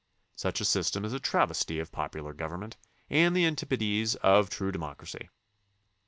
Such a system is a travesty of popular government and the antipodes of true democ racy.